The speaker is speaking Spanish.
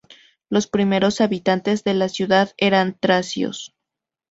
Los primeros habitantes de la ciudad eran tracios.